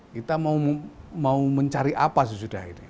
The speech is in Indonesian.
kita mau mencari apa sesudah akhirnya